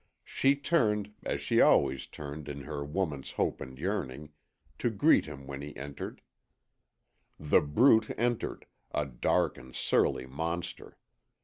She turned, as she always turned in her woman's hope and yearning, to greet him when he entered. The Brute entered, a dark and surly monster.